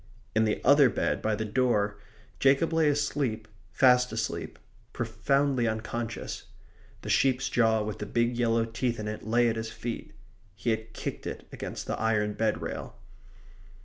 In the other bed by the door Jacob lay asleep, fast asleep, profoundly unconscious. The sheep's jaw with the big yellow teeth in it lay at his feet. He had kicked it against the iron bed rail.